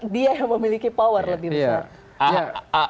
dia yang memiliki power lebih besar